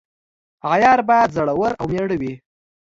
عیار باید زړه ور او میړه وي.